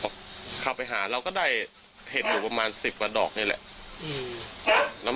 พอเข้าไปหาเราก็ได้เห็นอยู่ประมาณ๑๐กว่าดอกนี่แหละ